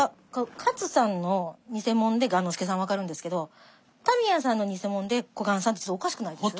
勝さんの偽者で雁之助さん分かるんですけど田宮さんの偽者で小雁さんっておかしくないです？